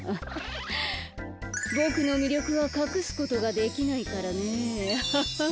ボクのみりょくはかくすことができないからねははん。